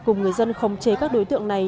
cùng người dân khống chế các đối tượng này